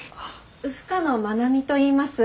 深野愛美といいます。